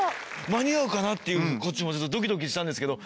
間に合うかなっていうこっちもドキドキしたんですけど。